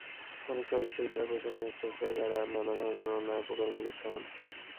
অনেক সময় বিশ্ববিদ্যালয় প্রশাসনের প্রশ্রয়ে তাঁরা নানা ধরনের অন্যায়-অপকর্মে লিপ্ত হন।